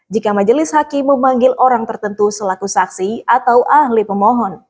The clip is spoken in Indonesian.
jika majelis hakim memanggil orang tertentu selaku saksi atau ahli pemohon